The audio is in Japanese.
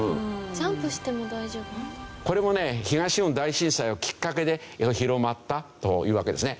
これもね東日本大震災がきっかけで広まったというわけですね。